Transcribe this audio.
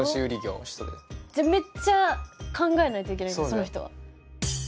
その人は。